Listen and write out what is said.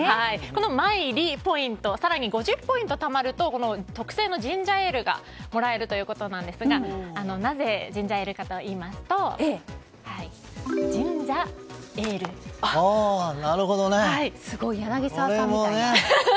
この参詣ポイント更に５０ポイントたまると特製のジンジャーエールがもらえるということですがなぜジンジャーエールかといいますとすごい柳澤さんみたい。